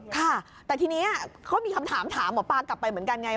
ค่ะแต่ทีนี้เขามีคำถามถามหมอปลากลับไปเหมือนกันไง